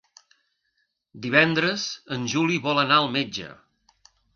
Divendres en Juli vol anar al metge.